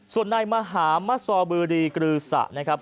ส่วนนายมหามศบรีกรือสะนะครับ